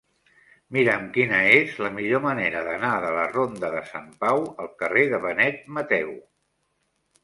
Mira'm quina és la millor manera d'anar de la ronda de Sant Pau al carrer de Benet Mateu.